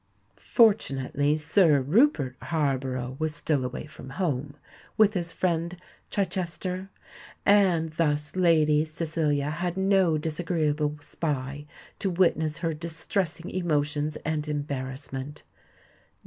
Fortunately Sir Rupert Harborough was still away from home, with his friend Chichester, and thus Lady Cecilia had no disagreeable spy to witness her distressing emotions and embarrassment.